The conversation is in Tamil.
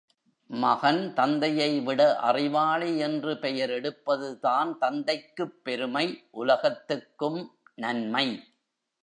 மகன் தந்தையைவிட அறிவாளி என்று பெயர் எடுப்பதுதான் தந்தைக்குப் பெருமை உலகத்துக்கும் நன்மை.